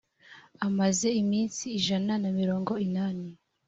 amaze iminsi ijana na mirongo inani.